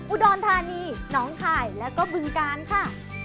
อุดรธานีน้องคายแล้วก็บึงกาลค่ะ